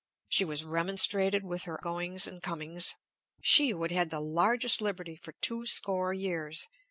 She was remonstrated with on her goings and comings, she who had had the largest liberty for two score years.